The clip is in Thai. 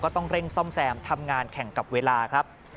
ต้องเร่งซ่อมแซมทำงานแข่งกับเวลาครับ